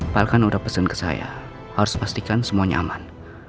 palkan udah pesen ke saya harus pastikan semuanya aman